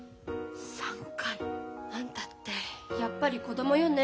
あんたってやっぱり子供よね。